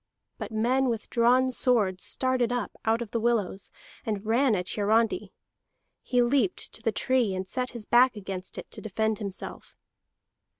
But men with drawn swords started up out of the willows, and ran at Hiarandi. He leaped to the tree, and set his back against it to defend himself.